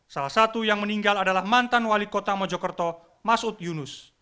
salah satu yang meninggal adalah mantan wali kota mojokerto masud yunus